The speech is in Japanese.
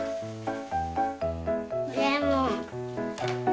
レモン。